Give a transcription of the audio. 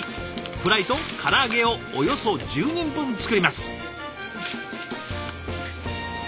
フライと唐揚げをおよそ１０人分作ります。